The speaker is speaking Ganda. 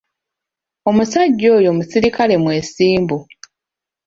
Omusajja oyo muserikale mwesimbu.